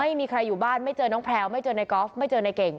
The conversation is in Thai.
ไม่มีใครอยู่บ้านไม่เจอน้องแพลวไม่เจอในกอล์ฟไม่เจอในเก่ง